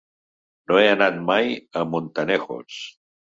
No he anat mai a Montanejos.